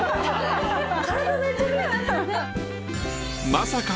まさか？